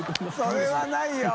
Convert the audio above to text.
それはないよ！